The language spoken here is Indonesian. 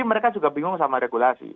mereka juga bingung sama regulasi